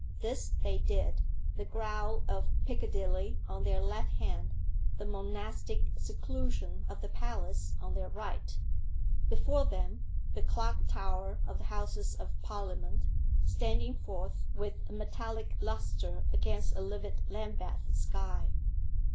This they did the growl of Piccadilly on their left hand the monastic seclusion of the Palace on their right: before them, the clock tower of the Houses of Parliament, standing forth with a metallic lustre against a livid Lambeth sky.